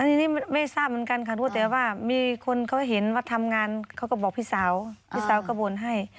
ทีนี้ไม่ทราบเหมือนกันค่ะรู้แต่ว่ามีคนเขาเห็นว่าทำงานเขาก็บอกพี่สาวพี่สาวก็บ่นให้